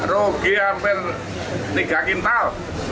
rugi hampir tiga kintal